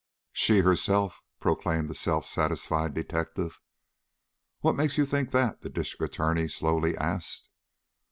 "She herself," proclaimed the self satisfied detective. "What makes you think that?" the District Attorney slowly asked.